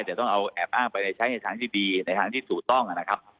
จะต้องเอาแอบอ้างไปใช้ในทางที่ดีในทางที่ถูกต้องนะครับ